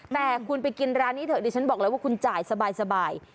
แต่คุณไปกินร้านนี้เถอะดิฉันบอกเลยว่าคุณจ่ายสบาย